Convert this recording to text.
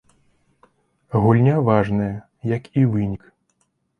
Гульня важная, як і вынік.